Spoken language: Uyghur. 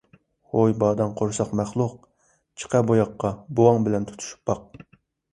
ھوي باداڭ قورساق مەخلۇق، چىقە بۇ ياققا ! بوۋاڭ بىلەن تۇتۇشۇپ باق!